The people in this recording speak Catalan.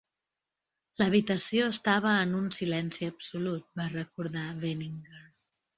"L'habitació estava en un silenci absolut", va recordar Veninger.